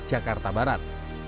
di jakarta barat